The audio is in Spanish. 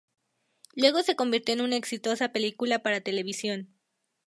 Luego se convirtió en una exitosa película para televisión.